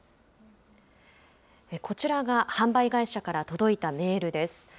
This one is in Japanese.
こちらが販売会社から届いたメールです。